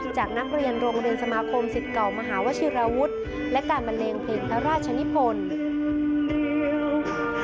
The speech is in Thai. จากนักเรียนโรงเรียนสมาคมสิทธิ์เก่ามหาวชิราวุฒิและการบันเลงเพลงพระราชนิพล